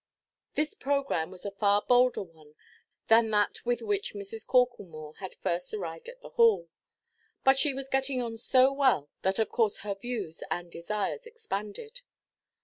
This programme was a far bolder one than that with which Mrs. Corklemore had first arrived at the Hall. But she was getting on so well, that of course her views and desires expanded.